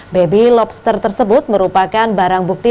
baby lobster tersebut merupakan barang bukti